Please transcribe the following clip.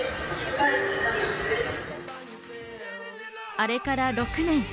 あれから６年。